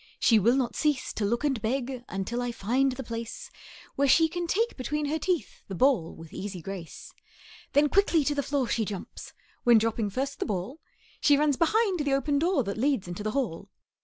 She will not cease to look and beg, Until I find the place Where she can take between her teeth The ball with easy grace. Then quickly to the floor she jumps; When, dropping first the ball, She runs behind the open door That leads into the hall.